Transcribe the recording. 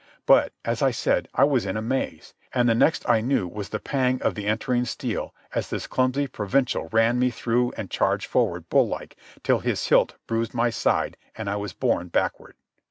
But, as I said, I was in amaze, and the next I knew was the pang of the entering steel as this clumsy provincial ran me through and charged forward, bull like, till his hilt bruised my side and I was borne backward.